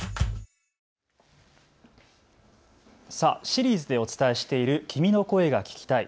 シリーズでお伝えしている君の声が聴きたい。